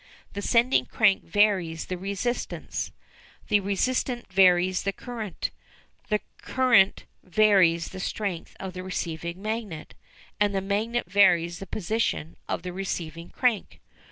The sending crank varies the resistance, the resistance varies the current, the current varies the strength of the receiving magnet, and the magnet varies the position of the receiving crank.